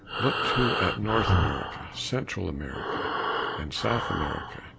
Look too at North America, Central America and South America.